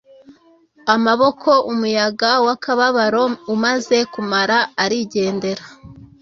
amaboko. umuyaga w'akababaro umaze kumara, arigendera